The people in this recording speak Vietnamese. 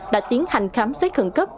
đã tiến hành khám xét khẩn cấp